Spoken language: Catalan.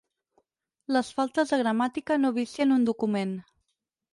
Les faltes de gramàtica no vicien un document.